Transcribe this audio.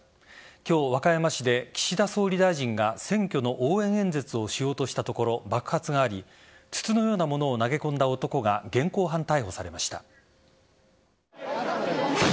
今日、和歌山市で岸田総理大臣が選挙の応援演説をしようとしたところ、爆発があり筒のような物を投げ込んだ男が現行犯逮捕されました。